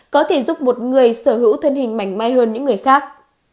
có thể giúp một người sở hữu thân hình mảnh may hơn những người khác